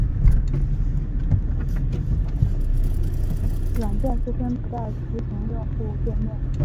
软件自身不带图形用户界面。